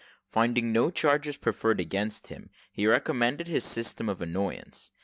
Finding no charges preferred against him, he recommenced his system of annoyance.